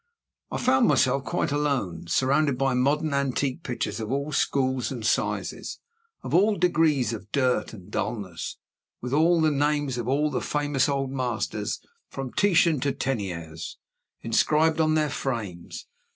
I found myself quite alone, surrounded by modern antique pictures of all schools and sizes, of all degrees of dirt and dullness, with all the names of all the famous Old Masters, from Titian to Teniers, inscribed on their frames.